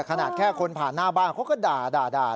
ขนาดแค่คนผ่านหน้าบ้านเขาก็ด่า